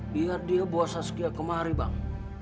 biar dia bawa saskia kemari bang